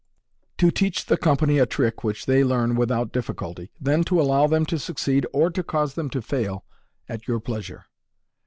To TEACH THE COMPANY A TRICK WHICH THEY LEARN WITH OUT Difficulty j then to allow them to Succeed or to cause them to Fail at your Pleasure.